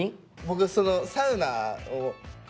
僕そのサウナを。